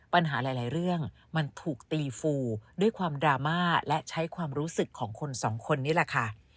ปัญหาหลายเรื่องมันถูกตีฟูด้วยความดราม่าและใช้ความรู้สึกของคนสองคนนี้แหละค่ะ